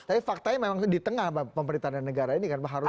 tapi faktanya memang di tengah pemerintahan dan negara ini kan pak harusnya